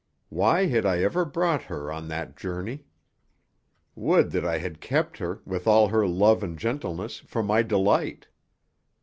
Why had I ever brought her on that journey? Would that I had kept her, with all her love and gentleness, for my delight.